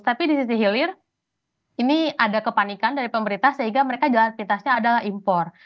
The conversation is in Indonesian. tapi di sisi hilir ini ada kepanikan dari pemerintah sehingga mereka jalan pintasnya adalah impor